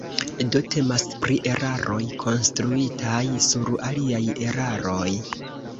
Do temas pri eraroj konstruitaj sur aliaj eraroj.